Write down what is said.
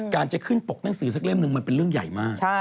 จะขึ้นปกหนังสือสักเล่มหนึ่งมันเป็นเรื่องใหญ่มาก